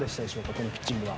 このピッチングは。